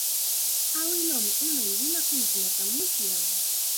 Awiluumi unay willakuykunata musyan.